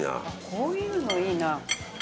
こういうのいいな。